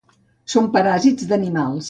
Són paràsits d'animals.